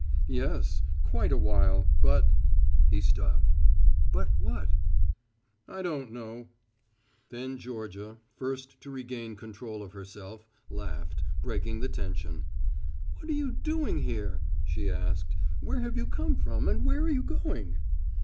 "Yes, quite a while, but " he stopped. "But what!" "I don't know." Then Georgia, first to regain control of herself, laughed, breaking the tension. "What are you doing here!" she asked. "Where have you come from and where are you going!"